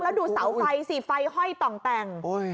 แล้วดูเสาไฟสิไฟห้อยต่องแต่ง